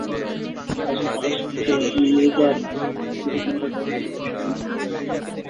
পাশের আবাসিক হোটেল মৃগয়ার সিসি ক্যামেরার ফুটেজ থেকে বিষয়টি নিশ্চিত হয়েছে পুলিশ।